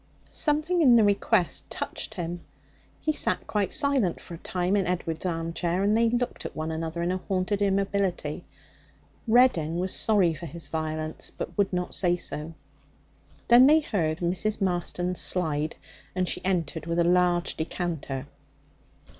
Something in the request touched him. He sat quite silent for a time in Edward's armchair and they looked at one another in a haunted immobility. Reddin was sorry for his violence, but would not say so. Then they heard Mrs. Marston's slide, and she entered with a large decanter.